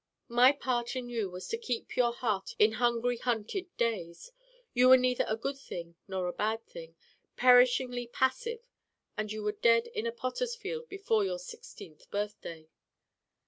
My part in you was to keep up your heart in hungry hunted days. You were neither a good thing nor a bad thing: perishingly passive. And you were dead in a potter's field before your sixteenth birthday.